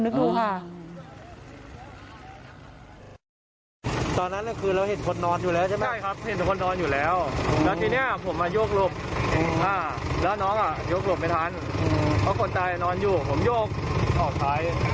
คุณผู้ชมนึกดูค่ะ